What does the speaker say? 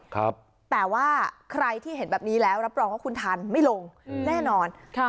ครับแต่ว่าใครที่เห็นแบบนี้แล้วรับรองว่าคุณทันไม่ลงอืมแน่นอนค่ะ